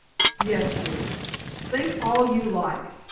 "Yes, dear, think all you like.